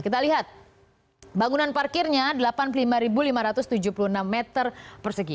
kita lihat bangunan parkirnya delapan puluh lima lima ratus tujuh puluh enam meter persegi